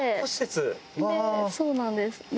そうなんです。